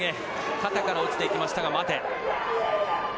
肩から落ちていきましたが待て。